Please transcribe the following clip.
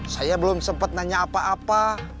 saya belum sempat nanya apa apa